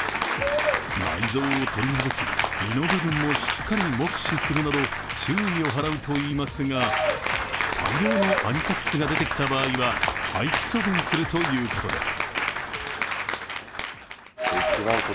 内臓を取り除き、身の部分もしっかり目視するなど注意を払うといいますが大量のアニサキスが出てきた場合は廃棄処分するということです。